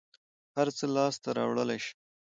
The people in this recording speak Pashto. هر څه لاس ته راوړلى شې.